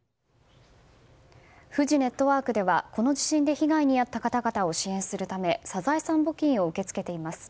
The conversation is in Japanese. フジネットワークではこの地震で被害に遭った方々を支援するためサザエさん募金を受け付けています。